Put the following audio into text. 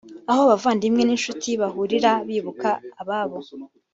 aho abavandimwe n’ inshuti bahurira bibuka ababo